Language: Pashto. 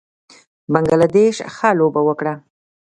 بنګله دېش ښه لوبه وکړه